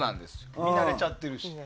見慣れちゃってるし。